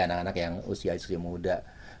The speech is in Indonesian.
anak anak yang usia istri muda